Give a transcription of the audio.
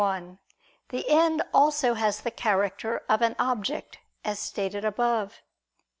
1: The end also has the character of an object, as stated above.